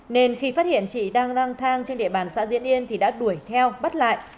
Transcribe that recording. nên khi phát hiện chị đang lang thang trên địa bàn xã diễn yên thì đã đuổi theo bắt lại